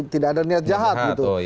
tidak ada niat jahat gitu